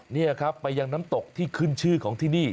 นี่ครับไปยังน้ำตกที่ขึ้นชื่อของที่นี่